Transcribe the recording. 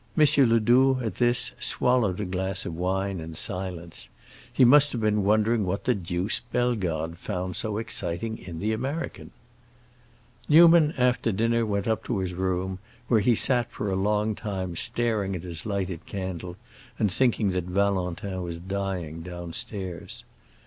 Ledoux, at this, swallowed a glass of wine in silence; he must have been wondering what the deuce Bellegarde found so exciting in the American. Newman, after dinner, went up to his room, where he sat for a long time staring at his lighted candle, and thinking that Valentin was dying downstairs.